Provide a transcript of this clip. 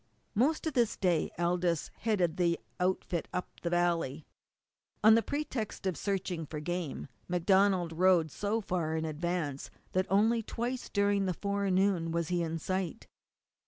Most of this day Aldous headed the outfit up the valley. On the pretext of searching for game MacDonald rode so far in advance that only twice during the forenoon was he in sight.